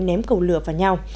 ném cầu lửa vào nhau